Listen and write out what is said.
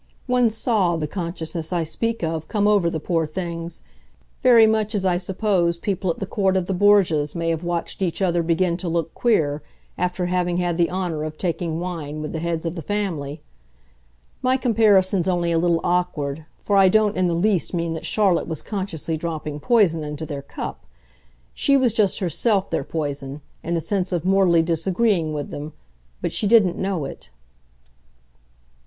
One SAW the consciousness I speak of come over the poor things, very much as I suppose people at the court of the Borgias may have watched each other begin to look queer after having had the honour of taking wine with the heads of the family. My comparison's only a little awkward, for I don't in the least mean that Charlotte was consciously dropping poison into their cup. She was just herself their poison, in the sense of mortally disagreeing with them but she didn't know it."